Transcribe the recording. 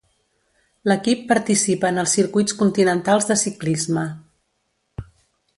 L'equip participa en els Circuits continentals de ciclisme.